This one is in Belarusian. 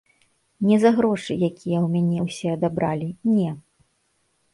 Не за грошы, якія ў мяне ўсе адабралі, не.